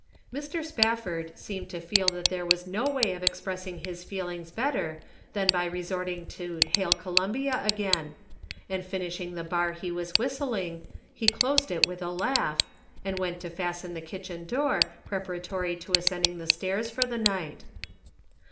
Mr. Spafford seemed to feel that there was no way of expressing his feelings better than by resorting to " Hail Columbia " again, and finishing the bar he was whistling, he closed it with a laugh, and went to fasten the kitchen door, preparatory to ascending the stairs for the night.